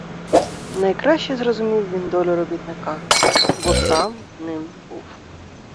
Найкраще зрозумів він долю робітника, бо сам ним був.